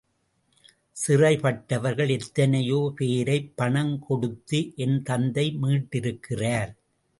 சிறை பட்டவர்கள் எத்தனையோ பேரைப் பணம் கொடுத்து என் தந்தை மீட்டிருக்கிறார்.